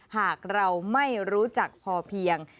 หากเราไม่รู้จักพอเพียง